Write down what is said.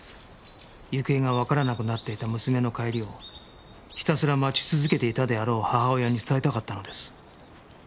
行方がわからなくなっていた娘の帰りをひたすら待ち続けていたであろう母親に伝えたかったのです